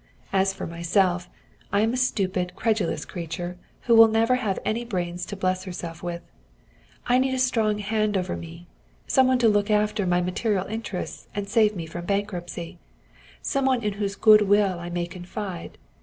As for myself, I am a stupid, credulous creature, who will never have any brains to bless herself with. I need a strong hand over me, some one to look after my material interests and save me from bankruptcy, some one in whose good will I may confide.